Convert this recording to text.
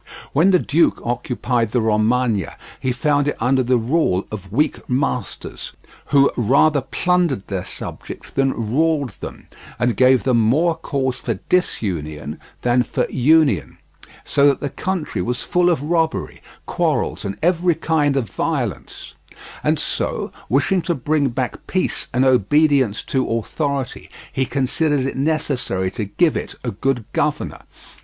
When the duke occupied the Romagna he found it under the rule of weak masters, who rather plundered their subjects than ruled them, and gave them more cause for disunion than for union, so that the country was full of robbery, quarrels, and every kind of violence; and so, wishing to bring back peace and obedience to authority, he considered it necessary to give it a good governor.